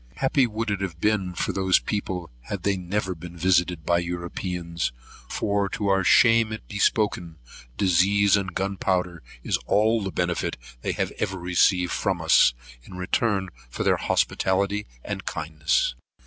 Happy would it have been for those people had they never been visited by Europeans; for, to our shame be it spoken, disease and gunpowder is all the benefit they have ever received from us, in return for their hospitality and kindness.